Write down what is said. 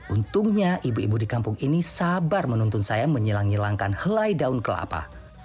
untungnya ibu ibu di kampung ini sabar menuntun saya menyilang nyelangkan helai daun kelapa